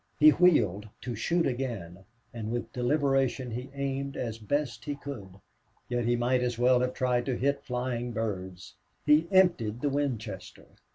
He wheeled to shoot again, and with deliberation he aimed as best he could. Yet he might as well have tried to hit flying birds. He emptied the Winchester.